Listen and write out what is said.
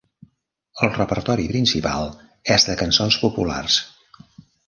El repertori principal és de cançons populars.